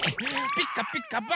「ピカピカブ！